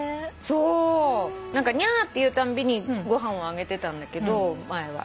そう「ニャー」っていうたんびにご飯をあげてたんだけど前は。